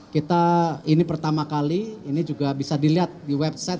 kita ini pertama kali ini juga bisa dilihat di website